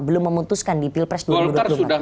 belum memutuskan di pilpres dua ribu dua puluh empat